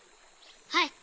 はい。